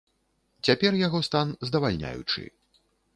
Цяпер яго стан здавальняючы.